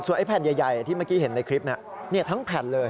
ไอ้แผ่นใหญ่ที่เมื่อกี้เห็นในคลิปทั้งแผ่นเลย